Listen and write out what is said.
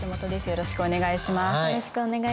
よろしくお願いします。